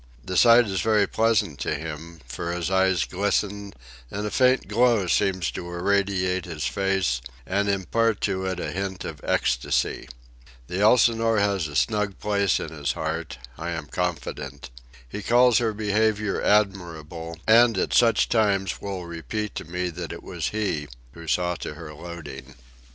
The sight is very pleasant to him, for his eyes glisten and a faint glow seems to irradiate his face and impart to it a hint of ecstasy. The Elsinore has a snug place in his heart, I am confident. He calls her behaviour admirable, and at such times will repeat to me that it was he who saw to her loading.